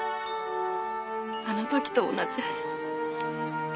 あの時と同じ味。